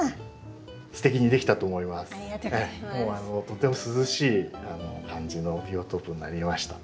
とても涼しい感じのビオトープになりました。